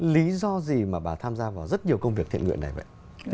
lý do gì mà bà tham gia vào rất nhiều công việc thiện nguyện này vậy